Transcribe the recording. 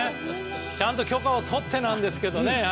ちゃんと許可を取ってなんですけどね。